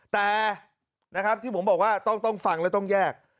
แต่นะครับที่ผมบอกว่าต้องฟังแล้วต้องแยก